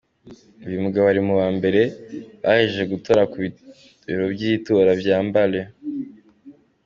Uyu mugabo ari muba mbere bahejeje gutora ku biro vy’itora vya Mbale.